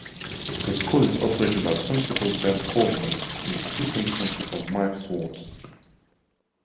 The school is operated by principal Ben Coleman and assistant principal Mike Swarts.